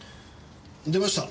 出ました。